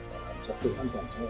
và phát triển tự an toàn xã hội